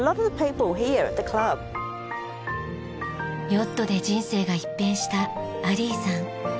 ヨットで人生が一変したアリーさん。